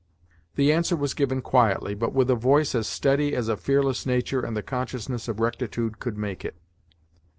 The answer was given quietly, but with a voice as steady as a fearless nature and the consciousness of rectitude could make it.